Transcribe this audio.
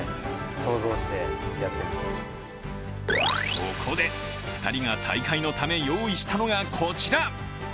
そこで２人が大会のため用意したのがこちら。